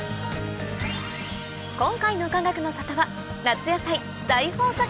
今回のかがくの里は夏野菜大豊作